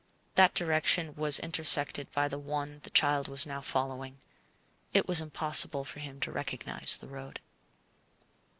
That direction was intersected by the one the child was now following. It was impossible for him to recognize the road.